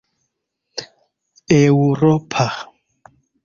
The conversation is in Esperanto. eŭropa